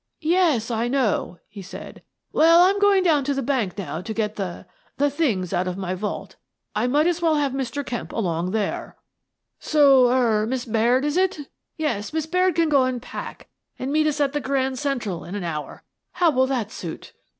11 Yes, I know," he said. " Well, Fm goin' down to the bank now to get the — the things out of my vault I might as well have Mr. Kemp along there. 1 6 Miss Frances Baird, Detective So — er — Miss Baird is it? Yes, Miss Baird can go an' pack, an' meet us at the Grand Central in an hour. How'U that suit?"